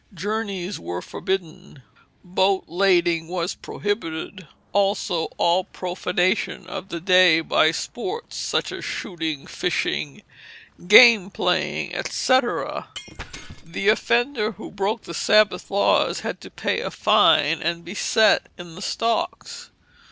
Journeys were forbidden, boat lading was prohibited, also all profanation of the day by sports, such as shooting, fishing, game playing, etc. The offender who broke the Sabbath laws had to pay a fine and be set in the stocks.